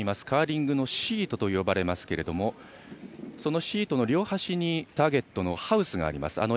カーリングのシートと呼ばれますがシートの両端にターゲットのハウスがあります。